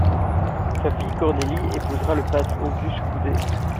Sa fille Cornélie épousera le peintre Auguste Couder.